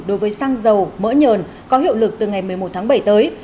đối với xăng dầu mỡ nhờn có hiệu lực từ ngày một mươi một tháng bảy tới